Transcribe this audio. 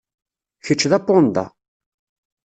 Kečč d apanda.